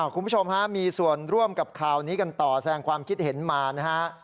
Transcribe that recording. คุณผู้ชมฮะมีส่วนร่วมกับข่าวนี้กันต่อแสงความคิดเห็นมานะฮะ